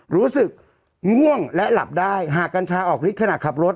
รู้สึกง่วงและหลับได้หากกัญชาออกฤทธิขณะขับรถ